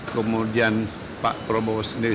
kemudian pak prabowo sendiri